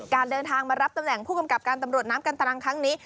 เดินทางมารับตำแหน่งผู้กำกับการตำรวจน้ำกันตรังครั้งนี้